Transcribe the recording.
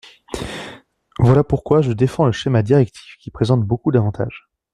Voilà pourquoi je défends le schéma directif, qui présente beaucoup d’avantages.